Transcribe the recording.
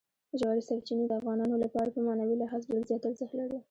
ژورې سرچینې د افغانانو لپاره په معنوي لحاظ ډېر زیات ارزښت لري.